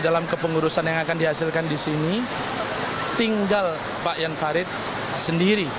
dalam kepengurusan yang akan dihasilkan di sini tinggal pak jan farid sendiri